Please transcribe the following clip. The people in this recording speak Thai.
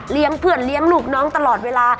เพื่อนเลี้ยงลูกน้องตลอดเวลา